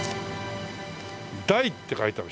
大って書いてある。